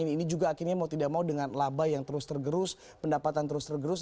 ini juga akhirnya mau tidak mau dengan laba yang terus tergerus pendapatan terus tergerus